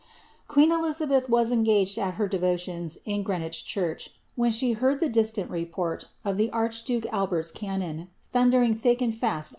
Queen Elizabelli was engaged at her devotions in Greenwich drawi, when she heard the distajit report of the archduke Albert's moM, lliundering thick &nd fast